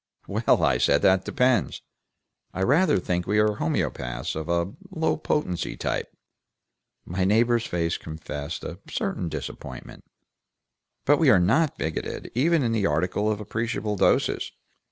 "Well," I said, "that depends. I rather think we are homoeopaths of a low potency type." My neighbor's face confessed a certain disappointment. "But we are not bigoted, even in the article of appreciable doses.